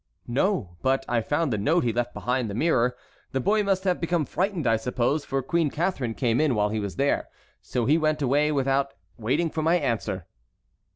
"No; but I found the note he left behind the mirror. The boy must have become frightened, I suppose, for Queen Catharine came in while he was there, so he went away without waiting for my answer."